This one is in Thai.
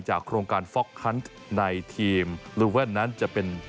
โครงการฟ็อกคันในทีมลูแว่นนั้นจะเป็น